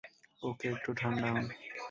ওকে, একটু ঠান্ডা হোন।